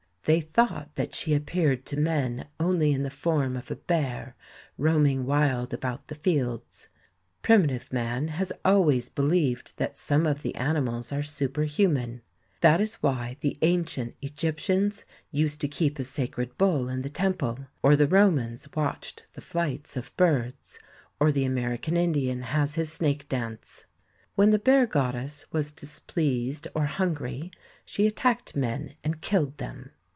They thought that she appeared to men only in the form of a bear roaming wild about the fields. Primitive man has always believed that some of the animals are superhuman. That is why the ancient Egyptians used to keep a sacred bull in the temple, or the Romans watched the flights of birds, or the American Indian has his snake 101 102 THE SEVEN WONDERS dance. When the bear goddess was displeased or hungry, she attacked men and killed them.